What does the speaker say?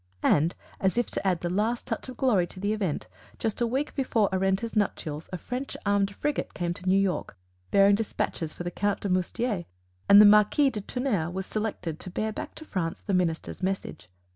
And, as if to add the last touch of glory to the event, just a week before Arenta's nuptials a French armed frigate came to New York bearing despatches for the Count de Moustier; and the Marquis de Tounnerre was selected to bear back to France the Minister's Message.